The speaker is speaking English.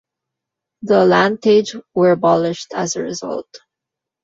The Landtage were abolished as a result.